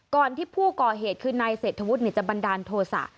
ที่ผู้ก่อเหตุคือนายเศรษฐวุฒิจะบันดาลโทษะ